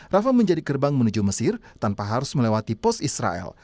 rafa menjadi gerbang menuju mesir tanpa harus melewati pos israel